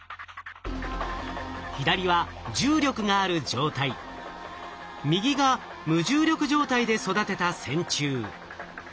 左は重力がある状態右が無重力状態で育てた線虫。